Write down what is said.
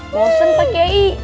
bosan pak yai